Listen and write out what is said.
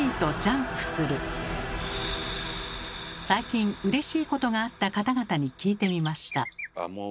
最近うれしいことがあった方々に聞いてみました。